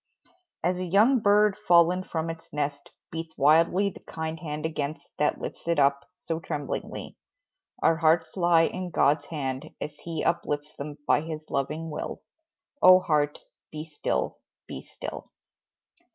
As a young bird fallen from its nest Beats wildly the kind hand against That lifts it up, so tremblingly Our hearts lie in God's hand, as He Uplifts them by His loving will, Oh, heart, be still be still!